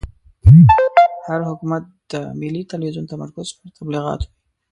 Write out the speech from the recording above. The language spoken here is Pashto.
هر حکومت د ملي تلویزون تمرکز پر تبلیغاتو وي.